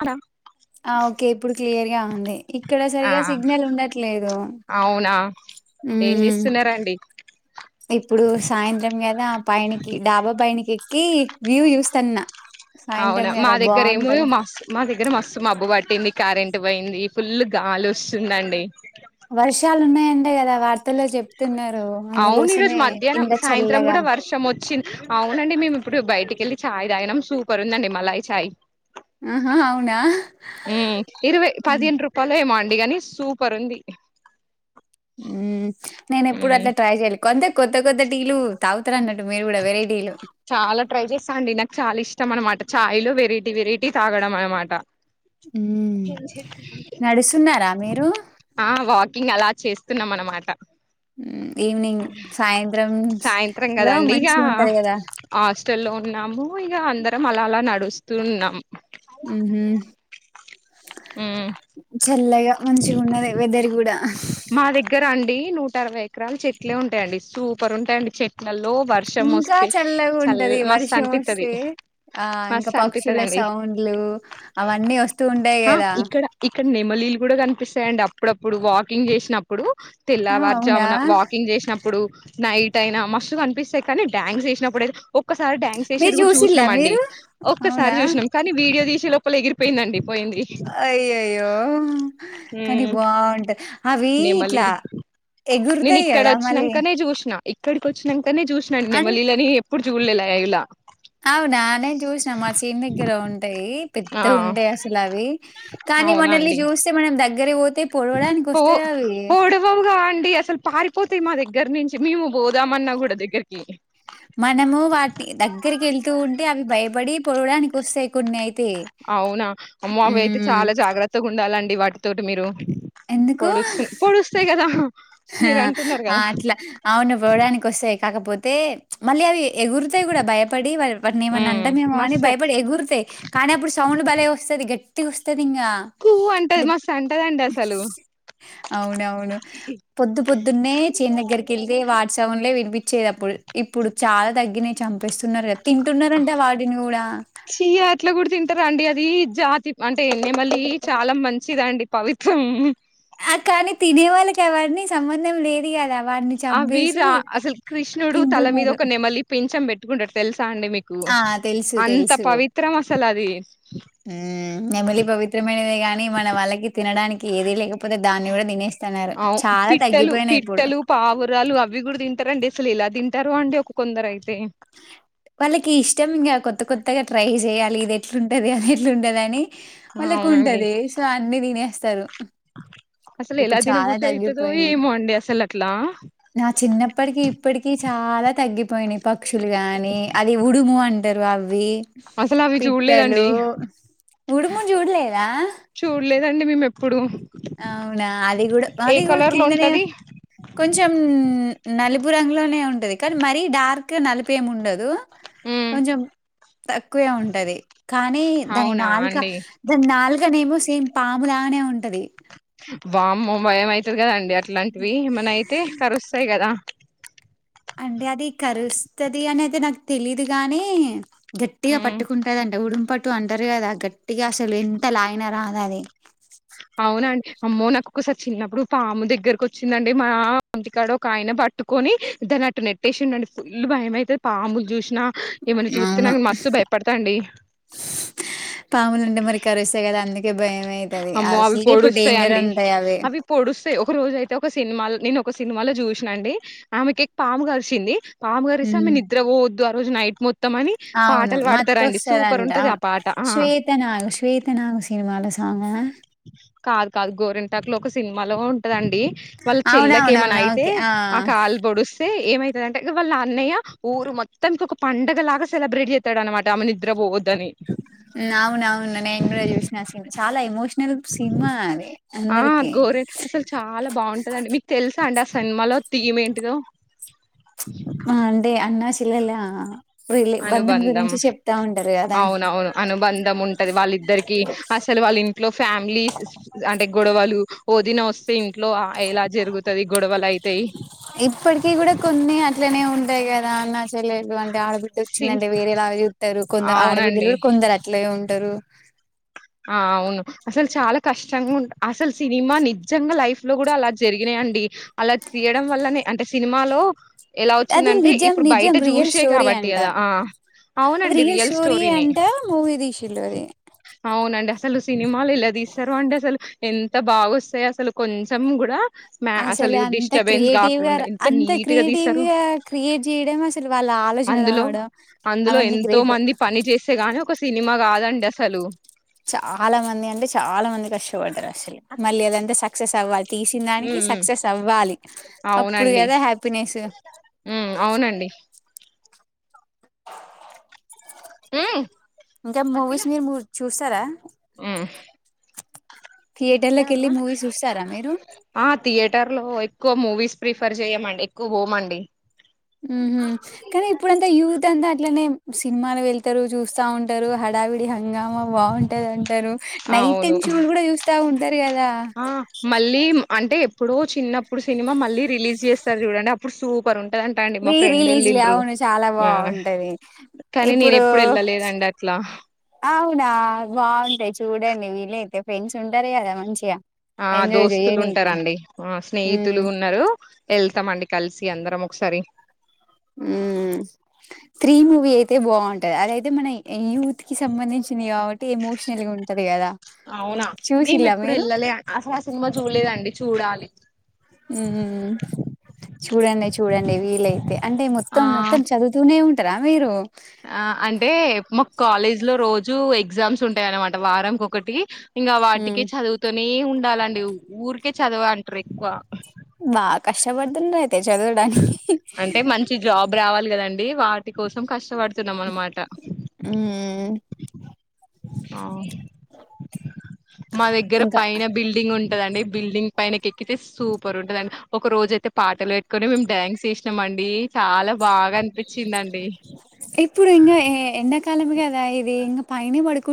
అనా ఆ ఓకే ఇప్పుడు క్లియర్ ఉంది ఇక్కడ ఆ సరిగా సిగ్నల్ ఉండట్లేదు అవునా ఏం చేస్తున్నారండి ఇప్పుడు సాయంత్రం కదా పైనకి డాబా పైనకి ఎ ఈ వ్యూ చూస్తాన్నా అవునా మా దగ్గర ఏమో మస్త్ మా దగ్గర మస్తు మబ్బు పట్టింది కరెంట్ పోయింది ఫుల్ గాలోస్తుంది అండి వర్షాలు ఉన్నాయంట గదా వార్తల్లో చెప్తున్నారు అవును ఈరోజు అందుకోసమే మధ్యాహ్నం ఇంత సాయంత్రం చల్లగా గుడా వర్షం వచ్చింది అవునండి మేము ఇప్పుడు బయట ఇంటికెళ్ళి చాయ్ తాగినాం సూపరుందంటి మలయ్ చాయ్ ఆహా అవునా ఇరవై పదిను రూపాయలో మాంట అడి కాని సూపర్ ఉంది నేన ఎప్పుడు మ్మ్ అట్లా ట్రై చెయ్యాలకో అంతే కొత్త కొత్త టీలు తాగుతార అన్నట్టు మీరు కూడా వెరై టీలు చాలా ట్రై చేస్తా అండి నాకు చాలా ఇష్టం అనమాట చాయ్ లో వెరైటీ వెరైటీ తాగడం అనమాట ఉ నడుస్తున్నారా మీరు వస్తున్నాం అనమాట ఈవినింగ్ సాయంత్రంలా మంచి ఉంటది కదా హాస్టెల్ లో ఉన్నాము ఇ అందర త్ర అలా అలా నడుస్తుూన్నాం ఆ ఉమ్ చల్లగా మనించిగా ఉన్నది వెదర్ కూడా మా దగ్గర అండి నూట అరవై ఎకరాలు చెట్లే ఉంటాయండి సూపర్ ఉంటాయండి చెట్లు ఇంకా చల్లగా ఉంటది మస్తు వర్షం అనిపిత్తది వస్తే ఆ ఇంకా మస్తు పక్షుల అనిపిత్తదండి సౌండ్లు అవన్నీ వస్తూ ఉంట ఇక్కడ ఇక్కడ నెమలీళ్లు కూడా కనిపిస్తాయండి అ అప్పుడప్పుడు వాకింగ్ చేసినప్పుడు ఆ! తెల్లవారు అవునా? జమున వాకింగ్ చేసినప్పుడు నైట్ అయినా మస్స్తు కనిపిస్తాయి కానీ డ్యాన్స్ చేసినప్పుడుతే ఒక్కసారి డ్యాన్స్ మీరు చేసేది కూడా చూసిల్లా చూసినాం అండి మీరు? అవునా? ఒక్కసారి చూసినాం కానీ వీడియో తీసే ఎగిరిపోయిందడి అయ్యయ్యో కానీ ఉమ్ బాగుంటాది అవి ఇట్లా నెమలీలు ఎగురుతాయి కదా మళ్ళీ ఎక్కడికి వచ్చినాం అనే చూసాండినుల్లని పడుచుకులే ఇలా అవునానేం చూసినా మా చిని దగ్గర ఉండి ఉంటాయి ఆ పెద్ద ఉంటాయి అసలు అవి కానీ అవునా మనలీ అండి జూస్తే మనం దగ్గి గాని పో పో పోడవవుగా అండి అసలు పారిపోతాయి మా దగ్గర నుంచి చి మీము మనము వాటి దగ్గరికి వెళ్తూ ఉంటే అవి భయపడి పడవాడానికి కోస్తాయి కూని అయి అవునా అమ్మో అవి అయితే చాలా జాగ్రత్తగా ఉండాలండి వాటి తోటి మీరు ఎందుకు పొడుస్తు పొడుస్తాయి కదా మీరు అంటున్నారు ఆ కదా అట్లా అవును పోవడానికి వస్తే కాకపోతే మళ్ళీ అది ఎగురుతాయి కూడా భయపడి వాటిని ఏమన్నా ఉమ్ అంటామేమో అని మస్త్ భయపడి ఎగురుతాయి కానీ అప్పుడు సౌండ్ భలే వస్తుంది గట్టి వస్తే ఇంగ కూ అంటది మస్తు అంటదండి అసలు అవును అవును పొద్దు పొద్దున్నే చేన్ దగ్గరికి వెళ్తే వాటి సౌండ్లే వినిపించేవి అప్పుడు ఇప్పుడు చాలా తగ్గిన చంపేస్ న్నారు కదా తింటున్నారంటే వాటిని కూడా చీ అట్లా కూడా తింటారా అండి అది జాతి అంటే నెమలి చాలా మంచిదండి పవిత్రం ఆ కానీ తినే వాళ్ళకి అవ్వన్నీ సంబంధం లేదు కదా ఆ వీర అసలు కృష్ణుడు తల మీద తింటున్నారు. ఒక నెమలి పింఛం బెట్టి కుంటాడు తెల్సు ఆ తెలుసు తెలుసు పవిత్రం అసలు అది నెమలి పవిత్రమైనదే గాని మన వాళ్ళకి తినడానికి ఏదీ లేకపోతే దాన్ని కూడా తినేస్ అవు పిట్టలు పిట్టలు పావురాలు అవి కూడా తింటారు అండి అసలు ఏలా తిం తరు అండి ఒక కొందరు అయి వాళ్ళకి ఇష్టం ఇంగ కొత్త కొత్త కొత్తగా ట్రై చేయాలి ఇది ఎట్లుంటది అది ఎట్లుంటది అని వాళ్లకు అవునండి ఉంటది సో అన్నీ తినేస్త సారు అసలు ఎలా తిన బుద్ది అయితదో తగ్గిపోయినాయి. ఏమో అండి అసలు అట్లా ఇప్పటికీ చాలా తగ్గిపోయినయి పక్షులు గాని అది ఉడుము అంట టారు ఆవి అసలు అవి పిట్టలు చూడలేదండి ఉడుము చుడ్లేద అదండి మేము ఎప్పుడు ఆవునా అదిగూడ ఏ అదిగూడ కలర్ లో కిందనే ఉంటది కొంచెం నలుపు బు రంగు లోనే ఉంటది కానీ మరీ డార్క్ నలుపు ఏమి ఉండదు మ్మ్ కొంచెం తక్కువే ఉంటది కానీ దాని అవునా నాలుక అండి దాని నాలుకనే ఏమో సేమ్ పాములానే ఉంటది వామ్మో భయం అవుతది కదాం అట్లాంటివి ఏమన్నా అయితే కరుస్తాయి కదా అంటే అది కరుస్ స్తది అనైతే నాకు తెలీదు గానీ గట్టిగా మ్మ్ పట్టుకుంటదంట ఉడుం పట్ టు అంటరు గదా గట్టిగా అసలు ఎంత లాగిన రాదు అది అవునాన్చ్ అమ్మో నాకు ఒకసారి చిన్నప్పుడు పాము దగ్గరకి వచ్చిందండి మా ఇంటికాడ ఒకాయన పట్టుకొని దాన్ని అటు నెట్టేసిండండి ఫుల్ భయమైతది పాము జూసినా అవును స్ పాములుంటే మరి కరుస్తయి కదా అందుకే భయం అయితది అమ్మో అవి అసలుకే ఇప్పుడు పొడుస్తయ్ డేంజర్ అండి ఉంటాయి అవి పొడుస్తయ్ ఒక రోజు అయితే ఒక సినిమాల్ నెను ఒక సినిమాలో జూసిన అండి ఆమెకి పాము కరిసింది పాము కరిస్తే ఆమె నిద్ర పోవద్ ద్ ఆ రోజు నైట్ మొత్తం అని ఆవును పాటలు పాడతారండి మత్తోస్త సూపర్ అంటా ఉంటది ఆ అవును పాట ఆ శ్వేతనాగు శ్వేతనాగు సినిమాల బాగున్నారా కాదు కాదు గోరెంటాక్ లో ఒక సినిమాలో ఉంటదన్ అండి వాళ్ళ చెల్లకి ఏమన్న అవునవునవును అయితే ఓకే ఆ కాలు పొడిస్తే ఏమైత్ లేదంటే వాళ్ళ అన్నయ్యా ఊరు మొత్తంకు ఒక పండగలాగా సెలబ్రేట్ జేత్తడన్నమాట ఆమె నిద్ర పోవద్దనీ అవును అవును నేను గూడా జూసిన చాలా ఎమోష్ ఆ గోరె అసలు చాలా బాగుంటదండి మీకు తెలుసా అండి అసల్ సినిమాలో తీయం ఏంటిదో ఆ అండి అన్నాశెల్లెలా అనుబంధం కదా అవునవును అనుబంధం ఉంటది వాళ్ళిద్దరికీ అసలు వాళ్ళింట్లో ఫ్యామ్ గ్లీష్ అంటే గొడవలు ఒదిన వస్తే ఇంట్లో ఎలా జరుగుతది గొడవలు అయితయి ట్లనే ఉంటాయి కదా అన్నా చెల్లెల్లు అంటే ఆడబిడ్ సిని డ్డొచ్చిందంటే వేరేలాగ చూత్తరు కొందరు ఆడబిడ్డలు అవునండి కూడా కొందరు అట్లనే ఉంటారు ఆ అవును అసలు చాలా కష్టంగా ఉన్ అసలు సినిమా నిజంగా లైఫ్ లో కూడా అలా జరిగినయి అండి అలా తీయడం వల్లనే అంటే సినిమాలో ఎలా అది వచ్చిందంటే నిజం ఇప్పుడు నిజం బయట రియల్ చూసే స్టోరీ కాబట్టి అంట కదా ఆ అది అవునండి రియల్ స్టోరీ స్టోరీనే అంటా మూవీ దీషిళ్ళు అది అవునండి అసలు సిని నిమాలు ఎలా అది తీస్తరు అంటే అసలు ఎంత బాగొస్తాయి అసలు కొంచం గుడా మ్యా అసలు అంత డిస్టబెన్స్ క్రియేటివ్ గా కాకుండ ఎంత అంత నీట్గా క్రియేటివ్ తీస్తరు గా క్రియేట్ చేయడం అసలు వాళ్ళ ఆలోచన అందులో రావడం అందులో అవన్నీ ఎంతో గ్రేట్ మంది పని చేస్తే గాని ఒక సినిమా కాదంన్ గసలూ చాలా మంది అంటే చాలా మంది కష్టపడ్డరు చి మళ్ళీ అదంత సక్సెస్ అవ్వాలి తీసిన్ దానికి హ్మ్. హ్మ్. సక్సెస్ అవ్వాలి అప్పుడు అవునండి గదా హ్యాపీనెసు ఉమ్ అవునండి ఏయ్ ఇంకా మూవీస్ నీ ముర్చు చూస్తారా ఆ థియేటర్ లోకి వెళ్ళి మూవీ చూస్తార మీరు ట లో ఎక్కువ మూవీస్ ప్రిఫర్ చేయమండి ఎక్కువ పోమండి ంతా అట్లనే సినిమాలు వెళ్తారు చూస్తా ఉంటారు హడావిడి హంగామా బాగుంటదింట అవును నైటెన్ షూలు కూడా చూస్తా ఉ ఆ మళ్ళీ అంటే ఇప్పుడు చిన్నప్పుడు సినిమా మళ్ళీ రిలీజ్ చేస్తారు చూడండి అప్పుడు సూప్ పం రీ రిలీజ్లే అవును చాలా ఆ బాగుంటది కానీ నేను ఇప్పుడు ఎప్పుడు వెళ్ళలేదండి అట్లా అవునా బాగుంటాయి చూడండి వీలైతే ఫ్రెండ్స్ ఉంటారే కదా మంచిగా ఆ ఎంజాయ్ దోస్తులు చెయ్యనీకి ఉంటారంండి ఆ స్నేహితులు మ్మ్ ఉన్నారు వెళ్తామండి కలిసి అందర ముకుసరి ఊ త్రీ మూవీ అయితే బాగుంటది అదయితే మన యూత్ క సంబంధించినవి కాబట్టి ఎమోషనల్గా ఉంటది కదా అవునా మేము చూసిలా ఎప్పుడు మీరు వెళ్ళలే అసలు ఆ సినిమా చూడలేదండి చూడాలి ఉ చూడండి చూడండి వీల అయితే అంటే ఆ మొత్తం మొత్తం చదుతూనే ఉ ఇ వేరు ఆ అంటే మా కాలేజ్ లో రోజు ఎగ్జామ్స్ ఉంటాయన్నమాట వారంకొకటి ఇంకా వాటికే మ్మ్ చదువుతున్నా మే ఉండాలండి ఊరికే చదవ అంటారు ఎక్కువ బా కష్టపడ్దన్యితు అంటే మంచి జాబ్ రావాలి కదం డి వాటి కోసం కష్టవడు ఊ అ మా దగ్గర ఇంకా పైన బిల్డింగ్ ఉంటందండి బిల్డింగ్ పైనకి ఎక్కితే సూపర్ ఉంటందండి ఒక రోజు అయితే పాటలు వెట్టుకొని మేము డ్యాన్స్ చేసినాం అండి చాలా బాగా అనిపించిందండి. ఇప్పుడు ఇంగ ఏ ఎండాకాలం కదా ఇది ఇంకా పైనే పడుకు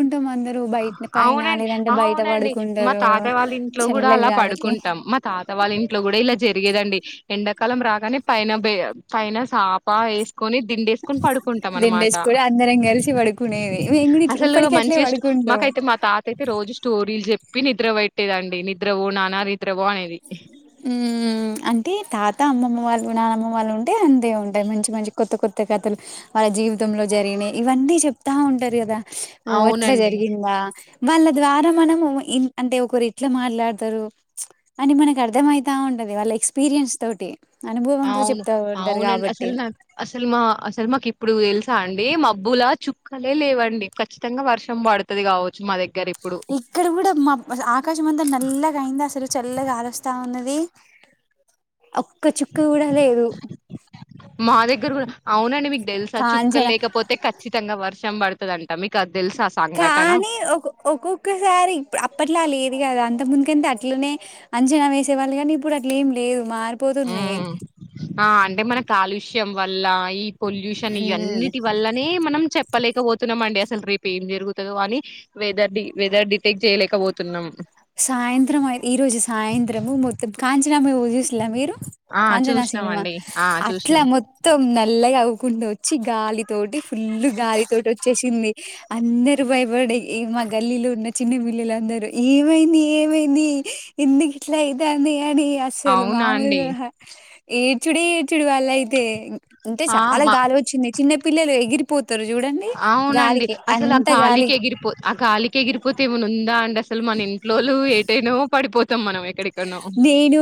ఆ అవునండి అవునండి మా పడుకుంటారు తాత వాళ్ళ ఇంట్లో కూడా చల్ల అలా గాలికి పడుకుంటాం మా తాత వాళ్ళ ఇంట్లో కూడా ఇలా జరిగేదండి. ఎండాకాలం రాగానే పైన బె పైన చాప ఎస్ దిండేసుకొని అందరం కలిసి పడుకునేది మేము కూడ అసలు ఇప్పటి అట్లే మంచిగా స్టో పడుకుం మాకైతే మాతాత అయితే రోజు స్టోరీలు జెప్ ప్పి నిద్ర పెట్టేదండి నిద్ర వోనానా రేప్ ద్ర వో అనేది త అమ్మమ్మ వాళ్ళు నానమ్మ వాళ్ళు ఉంటే అంతే ఉంటది మంచి మంచి కొత్త కొత్త కథలు వాళ్ళ జీవితంలో జరిగినయి ఇవన్నీ చెప్తా ఉంటరు గదా ఓ అట్లా అవునండి జరిగిందా వాళ్ళ ద్వారా మనము ఇ అంటే ఒకరు ఇట్ల మాట్లాడతరు అంటే మనకు అర్థమయితా ఉంటది వాళ్ళ ఎక్స్పీరియన్స్ తోటి అనుభవంతో అవును చెప్తా ఉంటారు అవునండి గాబట్టి. అసలు నాకు అసలు మా అసలు మాకు ఇప్పుడు దెలుసా అండి దె మబ్బులా చుక్కలే లేవండి ఖచ్చితంగా వర్షం పడుతది కావచ్చు మా దగ్గర ఇప్ ఇక్కడ కూడా మబ్ ఆకాశం అంతా నల్లగా అయింది అసలు చల్ల గాలోస్తా ఉన్నది ది మా దగ్గర కూడా అవునండి మీకు దెల్సా చుక్కలు కాంచన లేకపోతే ఖచ్చితంగా వర్షం బడ్ తదంట మీక్ అ కానీ ఒ ఒక్కొక్కసారి ఇప్పు అప్పట్లా లేదు కదా అం త ముందుకే అట్లనే అంచనా వేసే వాళ్ళు కానీ ఇప్పుడు అట్లేం లేదు మారు ఊ ఆ అంటే మన కాలుష్యం వల్ల ఈ పొల్యూషన్ ఇ హ్మ్. అన్నిటి వల్లనే మనం చెప్ ప్పలేకపోతున్నాం అండి అసలు రేపు ఏం జరుగుతుందో అని వెదర్ డి వెదర్ డిటెక్ట్ చేయలేకఒతున్నాం. సాయంత్రం అయి ఈ రోజు సాయం త్రం మొత్తం కాంచనా మూవీ జూసీన్ల మీరు ఆ కాంచనా చూసినాం సినిమా అండి ఆ అట్లా చూసినాం మొత్తం నల్లగా అవ్వుకుంట వచ్చి గాలితోటి ఫుల్ గాలి తోటి వచ్చేసింది అందరు భయపడే ఇగ మా గల్లీలో ఉన్న చిన్నపిల్లలందరూ ఈ మైంది ఏమైంది ఎందుకు ఇట్లా అయితాంది అనీ అసలు అవునా అండి మాములుగా కాదు ఏడ్చుడే ఏడ్చుడు వాళ్ళు అయితే అంటే ఆ చాలా మా గాలి వచ్చింది చిన్న పిల్లలు ఎగిరిపో అవునండి అసలు ఆ గాలికి గాలి ఎగిరిపో ఆ గాలికి ఎగిరిపోతే ఏమన్నా ఉందా అండి అస లు మన ఇంట్లోలు ఏటైనా పడిపోత నేను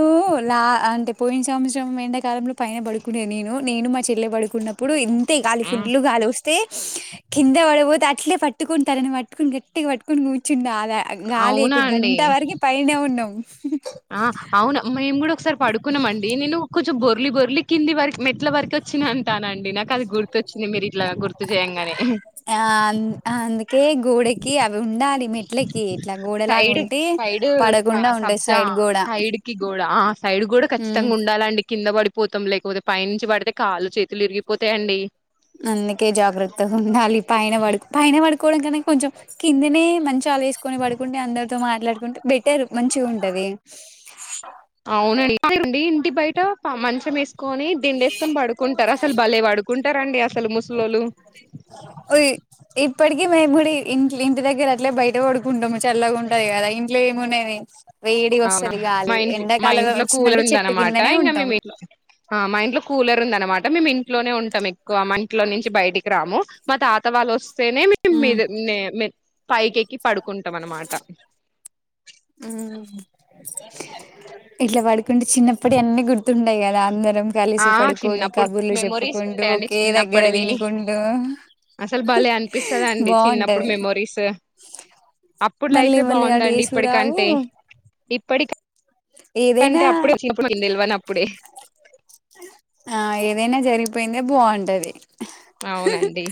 లా అంటే పోయిన సర్ సంవత్సరం ఎండాకాలంలో పైన పడుకునేను నేను. నేను మా చెల్లె పడుకున్నప్పుడు ఇంత గాలి హ్మ్. ఫుల్లుగా వస్త పోతే కింద పడపోతే అట్లే పట్టుకునాటే తనని పట్టుకుని గట్టిగా పట్టుకొని కూర్చుంట గ గాలి అవునా అయిపే అండి. గంట వరకు పైనే ఉన్నాము ఆ అవునా మేము కూడా ఒకసారి పడుకున్నాంమండి నేను కొంచెం బొర్లి బొర్లి కింది వరకు మెట్ల వరకు వచ్చి అంటానండి నాకు అది గుర్తుొచ్చ అ ఆ ఆన్ అందుకే గోడకి అవి ఉండాలి మెట్లకి ఇట్లా గోడల ఉంటే పడకుండా ఉంటాయి జ సైడ్ గోడ సైడ్ కి గోడ ఆ సైడ్ కూడా ఉమ్ ఖచ్చితంగా ఉండాలండి కింద పడిపోతాం లేకపోతే పైనుంచి పడితే కాళ్ళు చేతులు విరిగిపోతాయియండి అందుకే జాగ్రత్తగా ఉండాలి పైన పడు పైన పడు కోవడంనే కొంచెం కిందినే మంచి చాలా వేసుకొని పడుకుంటే అందరితో మాట్లాడుకుంటే బెట్టేరు మంచిగా ఉంటది అవునండి అేండి ఇంటి బయట మంచం వేసుకో కోని దిండుఏసుకొని పడుకుంటారు అసలు బలే పడుకుంట అండి అసలు ముస్ లొలు ఇప్పటిక మేము కూడా ఇంటి దగ్గర అట్లే బయట పడుకుంటాము చల్లగా ఉంటది కదా ఇంట్లో ఏమున్నాది అవునా మా ఇంట్ మా ఇంట్లో కూలర్ వచ్చిందంటే ఉంద చెట్టు అనమాట కిందనే ఇంకా మే ఉంటాం ఇంట్లో మా ఇంట్లో కూలర్ ఉంది అనమాట మిమిం ట్లోనీ ఉంటాం ఎక్కువ మ ఇంట్లో నుంచి బయటికి రాము మా తాత వాళ్ళు వస్త సేనే మ ఉమ్ మీద నే మే పైకెక్కి పడుకుంటాం అనమాట ఇట్ల పడుక ంటే చిన్నప్పుడి అనీ గుర్తుంటాయి కదా అందరు రం కలిసి ఆ పడుకొని చిన్నప్పుడు కబుర్లు మెమొరీస్ చెప్పుకుంటూ ఉంటాయండి ఒకే దగ్గర చిన్నప్పటివి తినుకుంటు అసలు భలే అనిపిస్తదండి చిన్నప్పుడు బాగుంటది మెమొరీస్ అప్పుడు మళ్ళీ లైఫే మళ్ళీ ఆడు బాగుందండి ఏసురావు ఇప్పటికంటే ఇప్పటికప్ ఏదైనా అంటే అప్పుడేచ్చినప్పుడు నిలవని అప్పుడే ఆ ఏదైనా జరిగిపోయిందే బాగుంటది అవునండి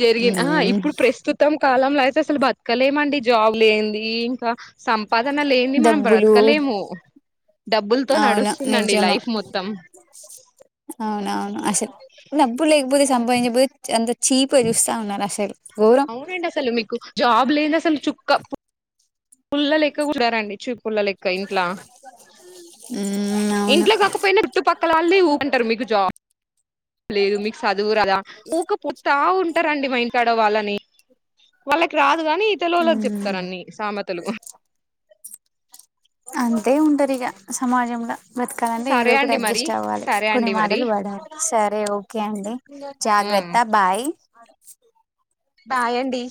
జరిగిన ఆ ఇప్పుడు ప్రస్తుతం కాలంలో అయితే అసలు బతకలేమండి జాబ్ లేంది ఇంకా సంప్ సంపాదన లేని మనం డబ్బులు బ్రతకలేము డబ్బులతో అవును నడుస్తుందండి నిజము లైఫ్ మొత్తం అవునవును అసలు నబ్బులేయిపోతే సంభవించ పోతే అంత చీపుగా చూస్తా ఉన్నారు అసలు ఎవరు అవునండి అసలు మీకు జాబ్ లేంది అసలు చుక్క పుల్ల లెక్క కుడారండి చూ పుల్ల లెక్క ఇంట్లా ఉమ్ అవును ఇంట్లో కాకపోయినా చుట్టుపక్కల వాళ్ళది ఊ అంటారు మీకు జాబ్ లేదు మీ చదువురదా ఊ ఒక పుట్టా ఉన్ అంటారండి మ ఇంట్ ఆడ వాళ్ళని వాళ్ళకి రా కాని ఇతలొల్లకి ఉమ్ చెప్తారన్నీ సామెతలు అంతే ఉంటారు ఇక సమాజంలో బ్రతకాలంటే ఏదో సరే కూడా అండి మరి అడ్జస్ట్ అవ్వాలి సరే కొన్ని అండి మరి మాటలు పడాలి సరే ఓకే అండి జాగ్రత్త బాయ్ స్ బాయండి